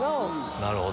なるほど。